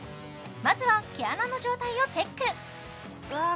まずは毛穴の状態をチェックわー